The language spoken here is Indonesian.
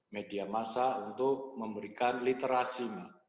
media masa untuk memberikan literasi